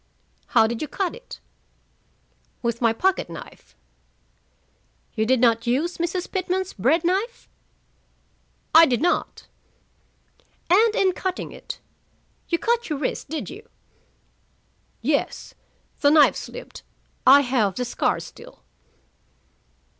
"How did you cut it?" "With my pocket knife." "You did not use Mrs. Pitman's bread knife?" "I did not." "And in cutting it, you cut your wrist, did you?" "Yes. The knife slipped. I have the scar still."